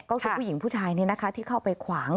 ก็คือผู้หญิงผู้ชายที่เข้าไปขวาง